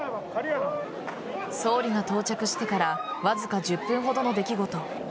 総理が到着してからわずか１０分ほどの出来事。